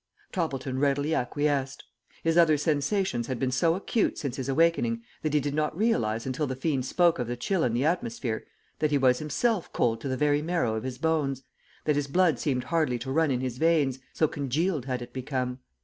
Toppleton readily acquiesced. His other sensations had been so acute since his awakening, that he did not realize until the fiend spoke of the chill in the atmosphere that he was himself cold to the very marrow of his bones; that his blood seemed hardly to run in his veins, so congealed had it become.